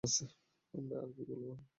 আমার আর কী ভালো লাগে?